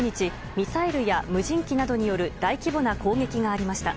ミサイルや無人機などによる大規模な攻撃がありました。